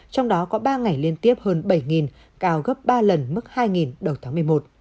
trong đó có ba ngày liên tiếp hơn bảy cao gấp ba lần mức hai đầu tháng một mươi một